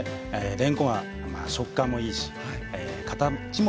れんこんは食感もいいし形も魅力的ですね。